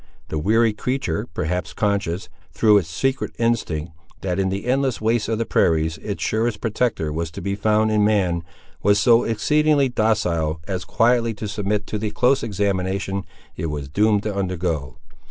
The weary creature, perhaps conscious, through its secret instinct, that in the endless wastes of the prairies its surest protector was to be found in man, was so exceedingly docile as quietly to submit to the close examination it was doomed to undergo.